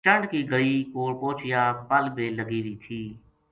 چنڈ کی گٹی کول پوہچیا پل بے لگی وی تھی